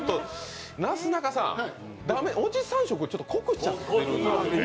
なすなかさん、駄目、おじさん色濃くしちゃってる。